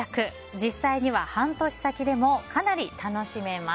実際には半年先でもかなり楽しめます。